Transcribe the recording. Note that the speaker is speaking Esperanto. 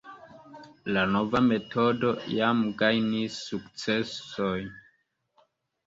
La nova metodo jam gajnis sukcesojn.